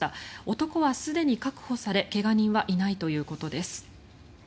男はすでに確保され怪我人はいないということです。